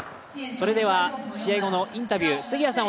それでは試合後のインタビュー杉谷さん